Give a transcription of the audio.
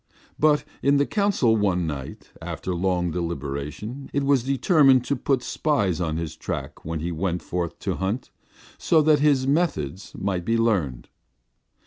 But in the council one night, after long deliberation, it was determined to put spies on his track when he went forth to hunt, so that his methods might be learned.